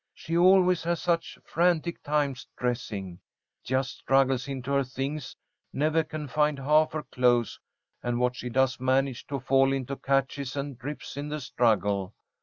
She always has such frantic times dressing. Just struggles into her things, never can find half her clothes, and what she does manage to fall into catches and rips in the struggle.